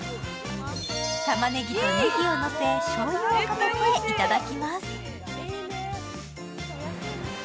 たまねぎとねぎをのせしょうゆをかけていただきます。